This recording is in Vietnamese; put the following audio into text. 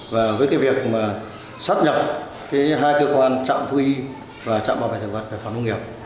và với việc sáp nhập hai cơ quan trạm thu y và trạm bảo vệ thực vật về phòng nông nghiệp